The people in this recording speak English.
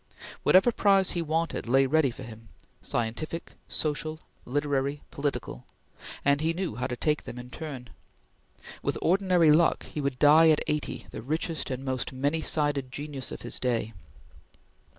Whatever prize he wanted lay ready for him scientific social, literary, political and he knew how to take them in turn. With ordinary luck he would die at eighty the richest and most many sided genius of his day.